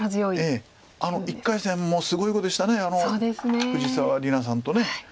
ええ１回戦もすごい碁でした藤沢里菜さんと。